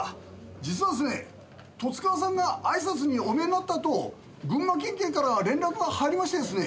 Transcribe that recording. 実はですね十津川さんがあいさつにお見えになったあと群馬県警から連絡が入りましてですね。